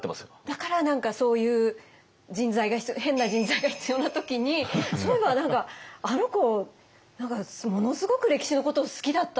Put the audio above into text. だから何かそういう人材が必要変な人材が必要な時に「そういえば何かあの子何かものすごく歴史のこと好きだったな。